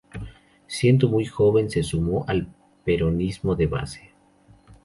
Siendo muy joven se sumó al Peronismo de Base.